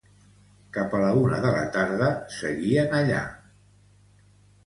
Cap a la una de la tarda seguien allà.